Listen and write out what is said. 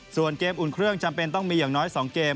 ส่วนเกมอุ่นเครื่องจำเป็นต้องมีอย่างน้อย๒เกม